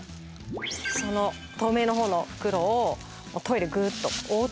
その透明の方の袋をトイレグッと覆って頂きます。